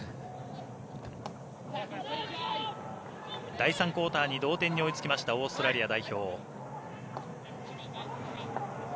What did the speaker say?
第３クオーターに同点に追いついたオーストラリア代表。